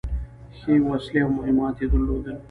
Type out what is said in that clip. ښې وسلې او مهمات يې درلودل.